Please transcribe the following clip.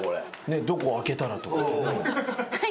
どこ開けたらとかじゃない。